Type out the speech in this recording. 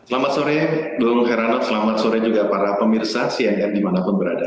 selamat sore dulu heranov selamat sore juga para pemirsa cnn dimanapun berada